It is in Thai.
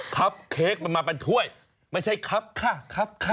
ครับเค้กมันมาเป็นถ้วยไม่ใช่ครับค่ะครับ